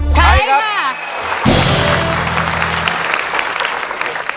ใช้ค่ะใช้ค่ะ